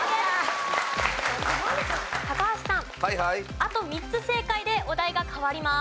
あと３つ正解でお題が変わります。